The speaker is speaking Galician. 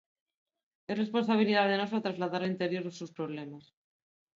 É responsabilidade nosa trasladar ao interior os seus problemas.